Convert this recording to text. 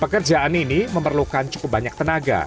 pekerjaan ini memerlukan cukup banyak tenaga